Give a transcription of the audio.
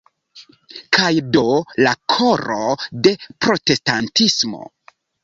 Kaj do la koro de protestantismo.